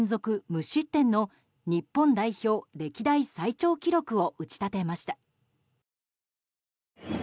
無失点の日本代表歴代最長記録を打ち立てました。